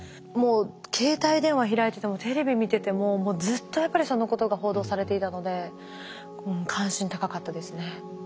もう携帯電話開いててもテレビ見ててももうずっとやっぱりそのことが報道されていたので関心高かったですね。